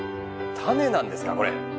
種なんですかこれ？